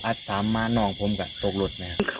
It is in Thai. อาสามานองผมก็โต๊กถูกรถ